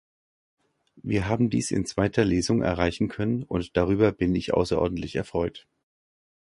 Wir haben dies in zweiter Lesung erreichen können, und darüber bin ich außerordentlich erfreut.